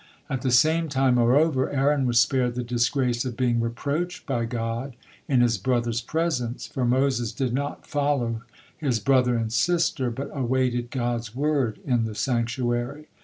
At the same time, moreover, Aaron was spared the disgrace of being reproached by God in his brother's presence, for Moses did not follow his brother and sister, but awaited God's word in the sanctuary.